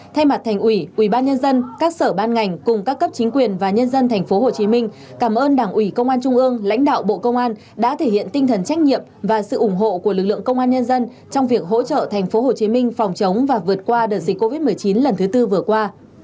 thay mặt thành ủy ubnd các sở ban ngành cùng các cấp chính quyền và nhân dân tp hcm cảm ơn đảng ủy công an trung ương lãnh đạo bộ công an đã thể hiện tinh thần trách nhiệm và sự ủng hộ của lực lượng công an nhân dân trong việc hỗ trợ tp hcm phòng chống và vượt qua đợt dịch covid một mươi chín lần thứ tư vừa qua